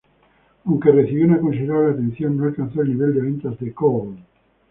Aunque recibió una considerable atención, no alcanzó el nivel de ventas de "Gold".